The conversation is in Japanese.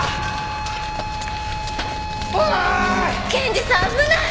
健治さん危ない